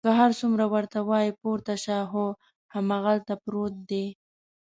که هر څومره ورته وایي پورته شه، خو هماغلته پروت دی.